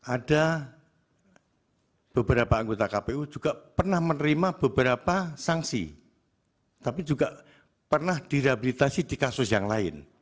ada beberapa anggota kpu juga pernah menerima beberapa sanksi tapi juga pernah direhabilitasi di kasus yang lain